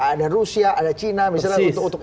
ada rusia ada china misalnya untuk